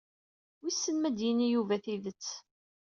Wissen ma d-yini Yuba tidet.